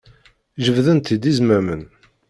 Jebdent-d izmamen.